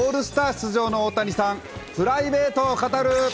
出場の大谷さん、プライベートを語る。